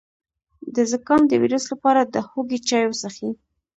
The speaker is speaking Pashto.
د زکام د ویروس لپاره د هوږې چای وڅښئ